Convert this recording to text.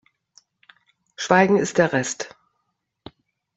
Schweigen ist der Rest.